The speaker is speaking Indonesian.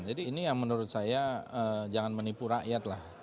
jadi ini yang menurut saya jangan menipu rakyat lah